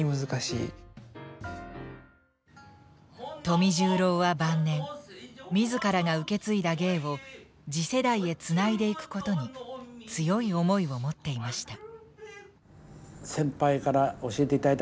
富十郎は晩年自らが受け継いだ芸を次世代へつないでいくことに強い思いを持っていました。